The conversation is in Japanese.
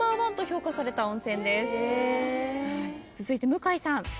続いて向井さん。